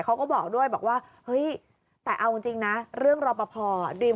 เขาก็บอกด้วยบอกว่าเฮ้ยแต่เอาจริงนะเรื่องรอปภิว